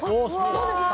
どうですか？